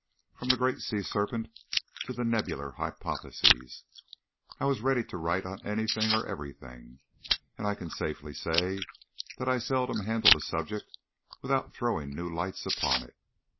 From the great sea serpent to the nebular hypothesis, I was ready to write on anything or everything, and I can safely say that I seldom handled a subject without throwing new lights upon it.